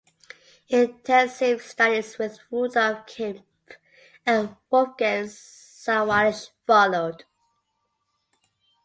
Intensive studies with Rudolf Kempe and Wolfgang Sawallisch followed.